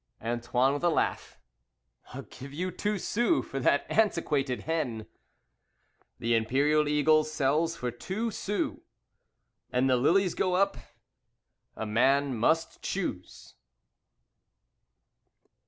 Antoine, with a laugh: "I'll give you two sous for that antiquated hen." The Imperial Eagle sells for two sous, And the lilies go up. A man must choose!